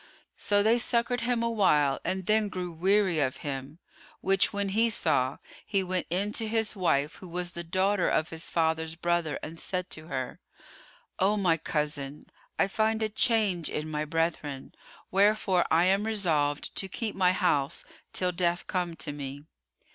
So they succoured him a while and then grew weary of him, which when he saw, he went in to his wife who was the daughter of his father's brother, and said to her, "O my cousin, I find a change in my brethren; wherefore I am resolved to keep my house till death come to me."